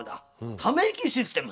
「ため息システム？」。